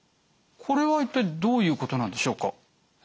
これは一体どういうことなんでしょうか？